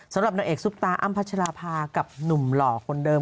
สำหรับนางเอกซุปตาอ้ำพัชราภากับหนุ่มหล่อคนเดิม